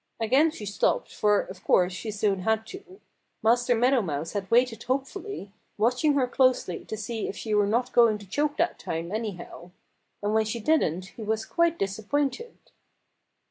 Again she stopped, for of course she soon had to. Master Meadow Mouse had waited hopefully, watching her closely to see if she were not going to choke that time, anyhow. And when she didn't he was quite disappointed.